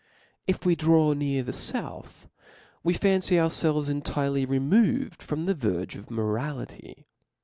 If we draw near the fouth, we fancy ourfclves intirely removed from the verge of morality